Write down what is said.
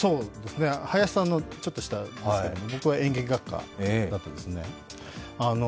林さんのちょっと下ですけど僕は演劇学科ですね。